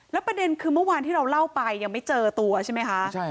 ประเด็นคือเมื่อวานที่เราเล่าไปยังไม่เจอตัวใช่ไหมคะ